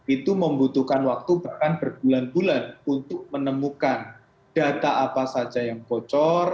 itu membutuhkan waktu bahkan berbulan bulan untuk menemukan data apa saja yang bocor